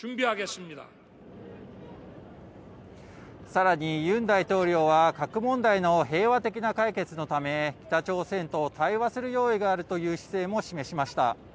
さらにユン大統領は核問題の平和的な解決のため北朝鮮と対話する用意があるという姿勢も示しました。